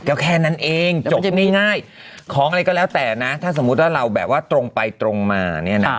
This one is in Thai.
ก็แค่นั้นเองจบง่ายของอะไรก็แล้วแต่นะถ้าสมมุติว่าเราแบบว่าตรงไปตรงมาเนี่ยนะ